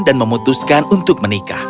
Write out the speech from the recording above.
dan memutuskan untuk menikah